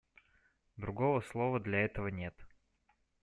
Другого слова для этого нет.